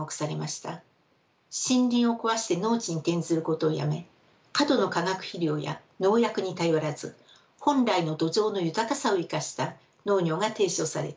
森林を壊して農地に転ずることをやめ過度の化学肥料や農薬に頼らず本来の土壌の豊かさを生かした農業が提唱されています。